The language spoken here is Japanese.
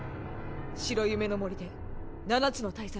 白夢の森で七つの大罪